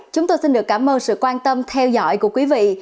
chúng tôi xin được cảm ơn sự quan tâm theo dõi của quý vị